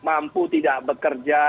itu tidak bekerja